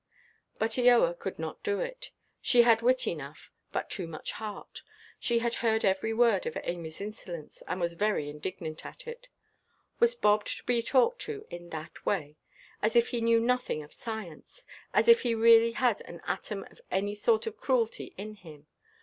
But Eoa could not do it. She had wit enough, but too much heart. She had heard every word of Amyʼs insolence, and was very indignant at it. Was Bob to be talked to in that way? As if he knew nothing of science! As if he really had an atom of any sort of cruelty in him!